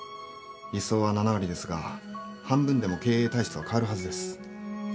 理想は７割ですが半分でも経営体質が変わるはずです。